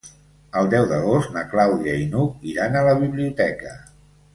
El deu d'agost na Clàudia i n'Hug iran a la biblioteca.